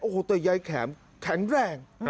โอ้โหแต่ยายแข็มแข็งแรง